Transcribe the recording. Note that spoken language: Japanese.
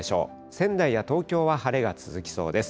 仙台や東京は晴れが続きそうです。